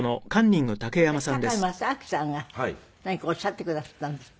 その時堺正章さんが何かおっしゃってくだすったんですって？